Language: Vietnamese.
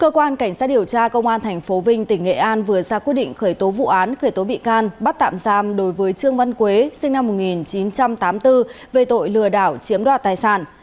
cơ quan cảnh sát điều tra công an tp vinh tỉnh nghệ an vừa ra quyết định khởi tố vụ án khởi tố bị can bắt tạm giam đối với trương văn quế sinh năm một nghìn chín trăm tám mươi bốn về tội lừa đảo chiếm đoạt tài sản